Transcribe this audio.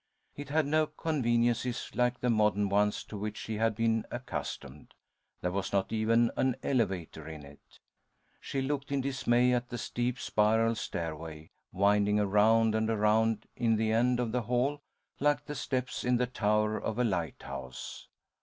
It had no conveniences like the modern ones to which she had been accustomed. There was not even an elevator in it. She looked in dismay at the steep, spiral stairway, winding around and around in the end of the hall, like the steps in the tower of a lighthouse.